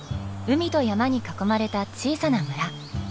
海と山に囲まれた小さな村。